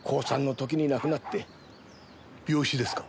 病死ですか？